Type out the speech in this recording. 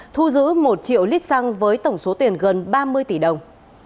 thu giữ một triệu lít xăng với tổng số tiền gần ba mươi tỷ đồng